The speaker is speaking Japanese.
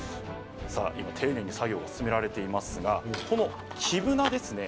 さあ今、丁寧に作業が進められていますがこの黄ぶなですね